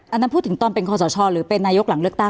อันนั้นพูดถึงตอนเป็นคอสชหรือเป็นนายกหลังเลือกตั้ง